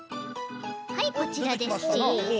はいこちらですち。